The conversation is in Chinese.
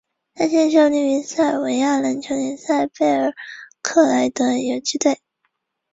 短芒纤毛草为禾本科鹅观草属下的一个变种。